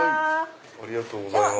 ありがとうございます。